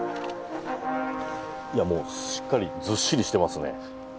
いやもうしっかりずっしりしてますね。